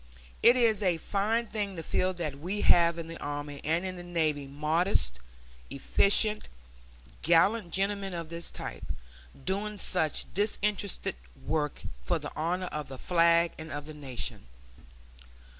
It is a fine thing to feel that we have in the army and in the navy modest, efficient, gallant gentlemen of this type, doing such disinterested work for the honor of the flag and of the Nation.